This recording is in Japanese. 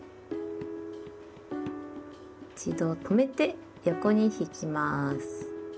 一度止めて横に引きます。